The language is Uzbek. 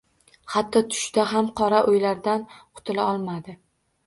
Hatto tushida ham qora o`ylardan qutula olmadi